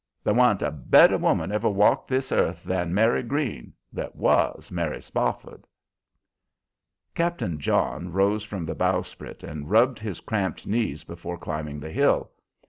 There wan't a better woman ever walked this earth than Mary Green, that was Mary Spofford." Captain John rose from the bowsprit and rubbed his cramped knees before climbing the hill.